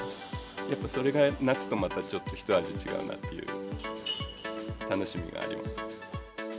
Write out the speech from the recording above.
やっぱそれが夏とちょっとひと味違うなっていう楽しみがあります。